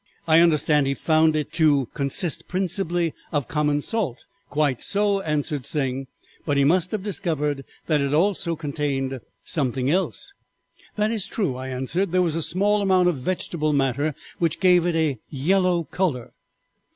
"'I understand he found it to consist principally of common salt.' "'Quite so,' answered Sing; 'but he must have discovered that it also contained something else?' "'That is true,' I answered, 'there was a small amount of vegetable matter which gave it a yellow color.'